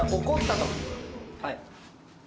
はい。